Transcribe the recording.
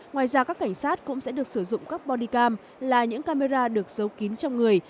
ngoài ra các cảnh sát cũng sẽ được sử dụng các body cam là những camera được giấu kín trong người